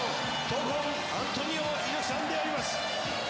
闘魂アントニオ猪木さんであります！